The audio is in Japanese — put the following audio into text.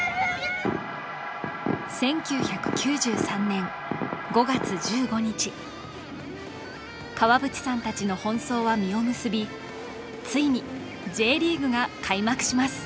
１９９３年５月１５日川淵さんたちの奔走は実を結びついにＪリーグが開幕します